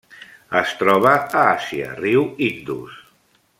Es troba a Àsia: riu Indus.